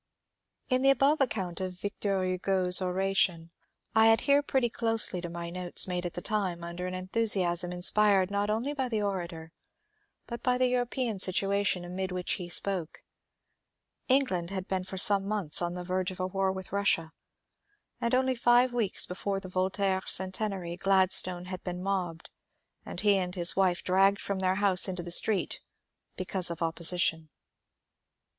In the above account of Victor Hugo^s oration I adhere pretty closely to my notes made at the time under an enthu siasm inspired not only by the orator but by the European situation amid which he spoke. England had been for some months on the verge of a war with Russia, and only five weeks before the Voltaire Centenary Gladstone had been mobbed, and he and his wife dragged from their house into the street, because of opposition.